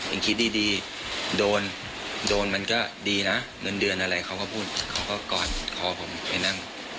คิดดีโดนโดนมันก็ดีนะเงินเดือนอะไรเขาก็พูดเขาก็กอดคอผมไปนั่ง